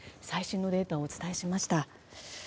最新のデータをお伝えしました。